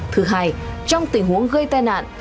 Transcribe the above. thứ hai trong tình huống gây tai nạn